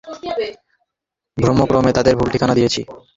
ভ্রমক্রমে তাদের ভুল ঠিকানা দিয়েছি!